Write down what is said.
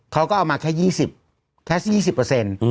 เค้าก็เอามาแค่๒๐เปอร์เซ็นต์